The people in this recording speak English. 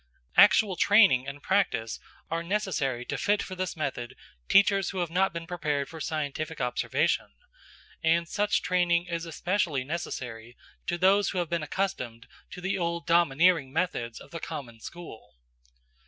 Actual training and practice are necessary to fit for this method teachers who have not been prepared for scientific observation, and such training is especially necessary to those who have been accustomed to the old domineering methods of the common school.